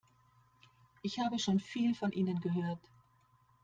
Ich habe schon viel von Ihnen gehört.